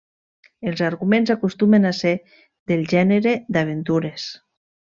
Els arguments acostumen a ser del gènere d'aventures.